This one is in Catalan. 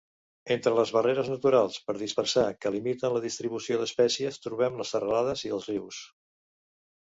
Entre les barreres naturals per dispersar que limiten la distribució d'espècies, trobem les serralades i els rius.